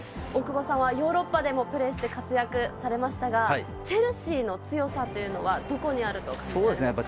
大久保さんはヨーロッパでもプレーして活躍されましたが、チェルシーの強さというのはどこにあると感じますか？